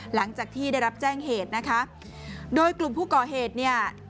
หลังจากที่ได้รับแจ้งเหตุนะคะโดยกลุ่มผู้ก่อเหตุเนี่ย